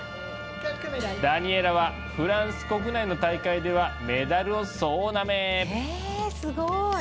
ダニエラはフランス国内の大会ではメダルを総なめ！えすごい！